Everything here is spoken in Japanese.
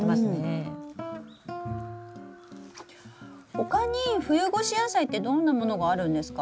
他に冬越し野菜ってどんなものがあるんですか？